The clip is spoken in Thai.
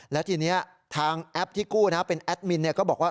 แล้วทีนี้ทางแอปที่กู้เป็นแอดมินก็บอกว่า